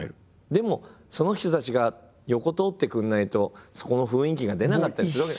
でもその人たちが横通ってくれないとそこの雰囲気が出なかったりするわけです。